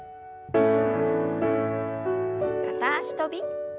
片脚跳び。